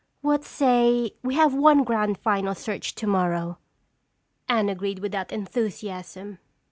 What say we have one grand final search tomorrow?" Anne agreed without enthusiasm.